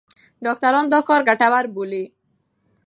ډاکټران دا کار ګټور بولي.